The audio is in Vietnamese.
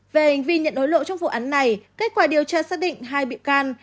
về hành vi nhận đối lộ trong vụ án này kết quả điều tra xác định hai biện can